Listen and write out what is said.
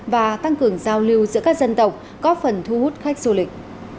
và tăng cường giao lưu giữa các dân tộc có phần thu hút khách du lịch